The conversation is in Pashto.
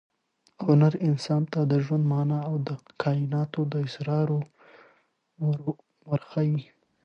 هنر انسان ته د ژوند مانا او د کائناتو د اسرارو خوند ورښيي.